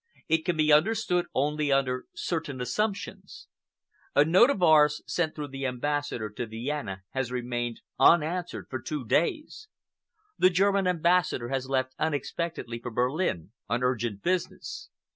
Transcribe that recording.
It can be understood only under certain assumptions. A note of ours sent through the Ambassador to Vienna has remained unanswered for two days. The German Ambassador has left unexpectedly for Berlin on urgent business.